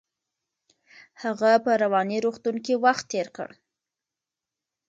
هغه په رواني روغتون کې وخت تیر کړ.